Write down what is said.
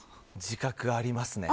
自覚、ありますね。